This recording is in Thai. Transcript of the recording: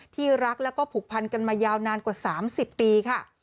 ที่รักแล้วก็ผูกพันกันมายาวนานกว่า๓๐ปีค่ะ